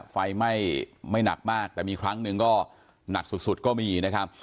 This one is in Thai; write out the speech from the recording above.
ไฟไหม้ไม่หนักมากแต่มีครั้งหนึ่งก็หนักสุดก็มีนะครับ